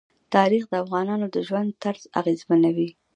تاریخ د افغانانو د ژوند طرز اغېزمنوي.